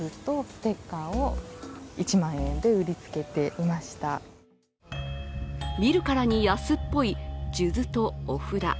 その手口は見るからに安っぽい数珠とお札。